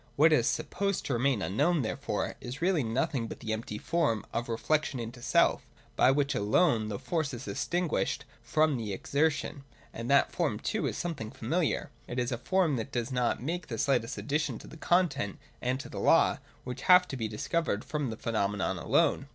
What is sup posed to remain unknown, therefore, is really nothing but the empty form of reflection into self, by which alone the Force is distinguished from the Exertion, — and that form too is something familiar. It is a form that does not make the slightest addition to the content and to the law, which have to be discovered from the pheno menon alone.